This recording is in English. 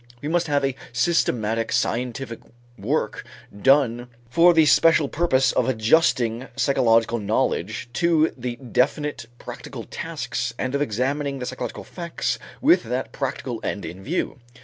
We must have a systematic scientific work done for the special purpose of adjusting psychological knowledge to the definite practical tasks and of examining the psychological facts with that practical end in view.